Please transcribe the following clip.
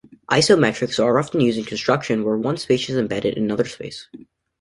Isometries are often used in constructions where one space is embedded in another space.